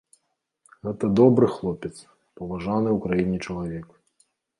Гэта добры хлопец, паважаны ў краіне чалавек.